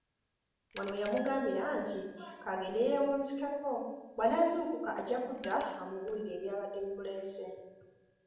Wano we yamugambira nti ka agende yeewunzikeko, bw’anaazuukuka ajja kudda amubuulire eby’abadde bimuleese.